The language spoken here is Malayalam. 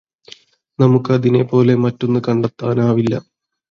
നമുക്ക് അതിനെ പോലെ മറ്റൊന്ന് കണ്ടെത്താനാവില്ല